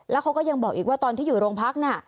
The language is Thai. แล้วเขาก็ยังบอกอีกว่าตอนที่อยู่โรงพักน่ะ